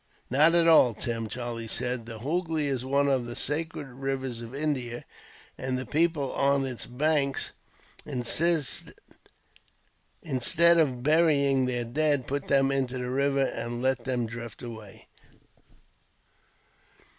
"Not at all, Tim," Charlie said, "the Hoogly is one of the sacred rivers of India, and the people on its banks, instead of burying their dead, put them into the river and let them drift away."